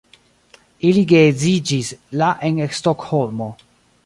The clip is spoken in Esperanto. Ili geedziĝis la en Stokholmo.